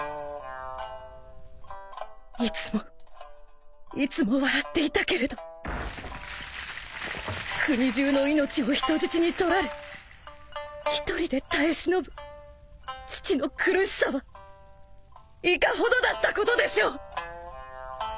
いつもいつも笑っていたけれど国中の命を人質にとられ１人で耐え忍ぶ父の苦しさはいかほどだったことでしょう！